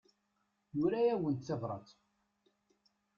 Yura-awent tabrat.